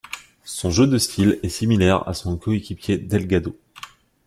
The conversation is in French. Son jeu de style est similaire à son coéquipier Delgado.